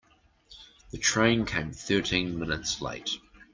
The train came thirteen minutes late.